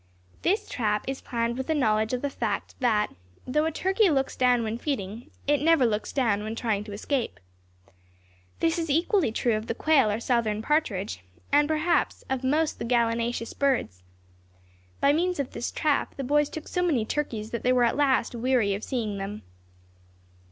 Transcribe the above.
This trap is planned with a knowledge of the fact, that though a turkey looks down when feeding, it never looks down when trying to escape. This is equally true of the quail or southern partridge, and perhaps of most of the gallinaceous birds. By means of this trap the boys took so many turkeys that they were at last weary of seeing them.